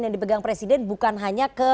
yang dipegang presiden bukan hanya ke